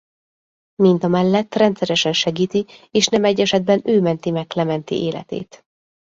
Mindamellett rendszeresen segíti és nem egy esetben ő menti meg Clementi életét.